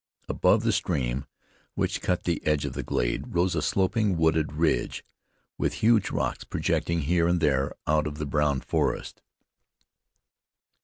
Above the stream, which cut the edge of the glade, rose a sloping, wooded ridge, with huge rocks projecting here and there out of the brown forest.